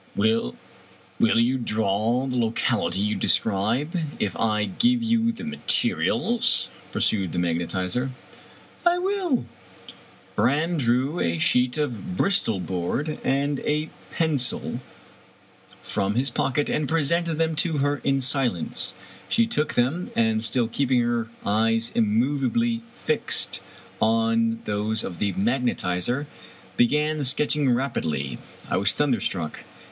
" Will you draw the locality you describe, if I give you the materials ?" pursued the magnetizer. " I will." Brann drew a sheet of Bristol board and a pencil from his pocket, and presented them to her in silence. She took them, and, still keeping her eyes immovably fixed on those of the magnetizer, began sketching rapidly. I was thun derstruck.